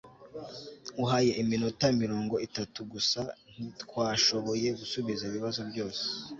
uhaye iminota mirongo itatu gusa, ntitwashoboye gusubiza ibibazo byose